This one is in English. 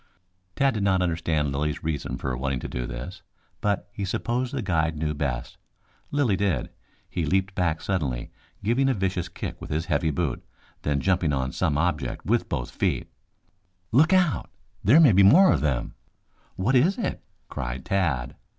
Tad did not understand Lilly's reason for wanting to do this, but he supposed the guide knew best. Lilly did. He leaped back suddenly, giving a vicious kick with his heavy boot, then jumping on some object with both feet. "Look out! There may be more of them!" "What is it?" cried Tad.